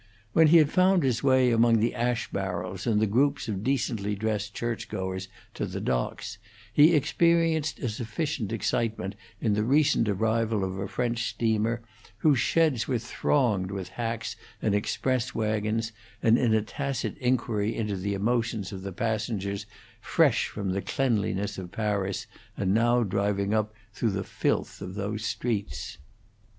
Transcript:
When he had found his way, among the ash barrels and the groups of decently dressed church goers, to the docks, he experienced a sufficient excitement in the recent arrival of a French steamer, whose sheds were thronged with hacks and express wagons, and in a tacit inquiry into the emotions of the passengers, fresh from the cleanliness of Paris, and now driving up through the filth of those streets.